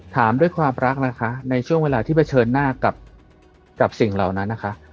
ถามด้วยความรักนะคะในช่วงเวลาที่เผชิญหน้ากับสิ่งเหล่านั้นนะคะ